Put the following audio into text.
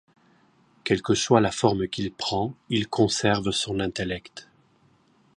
Quelle que soit la forme qu'il prend, il conserve son intellect.